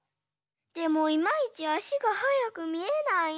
でもいまいちあしがはやくみえないな。